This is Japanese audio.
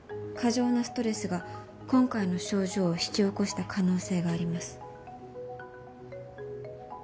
過剰なストレスが今回の症状を引き起こした可能性があります。